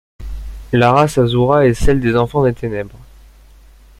La race Asura est celle des enfants des ténèbres.